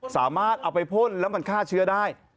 สามารถเอาไปพ่นแล้วมันฆ่าเชื้อได้